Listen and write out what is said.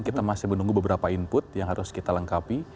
kita masih menunggu beberapa input yang harus kita lengkapi